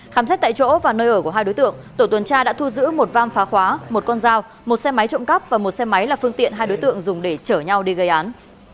khám xét tại chỗ và nơi ở của hai đối tượng tổ tuần tra đã thu giữ một vam phá khóa một con dao một xe máy trộm cắp và một xe máy là phương tiện hai đối tượng dùng để chở nhau đi gây án